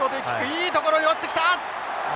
いいところに落ちてきた！